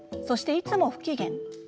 そして、いつも不機嫌。